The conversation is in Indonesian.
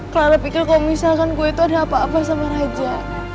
kalau anda pikir kalau misalkan gue itu ada apa apa sama raja